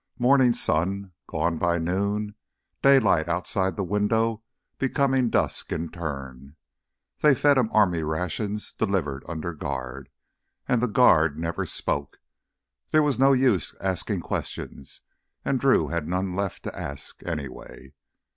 Morning sun, gone by noon, daylight outside the window becoming dusk in turn. They fed him army rations, delivered under guard. And the guard never spoke. There was no use asking questions, and Drew had none left to ask, anyway.